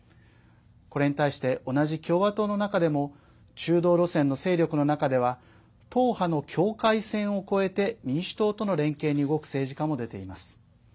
これに対して同じ共和党の中でも中道路線の勢力の中では党派の境界線を越えて民主党との連携に動く政治家も出ています。